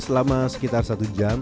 selama sekitar satu jam